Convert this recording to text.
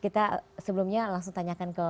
kita sebelumnya langsung tanyakan ke